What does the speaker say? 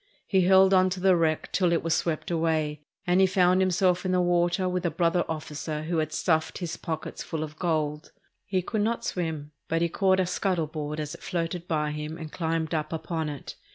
He held on to the wreck till it was swept away, and he found himself in the water with a brother officer who had stuffed his pockets full of gold. He could not swim, but he caught a scuttle board as it floated by him and climbed up upon it.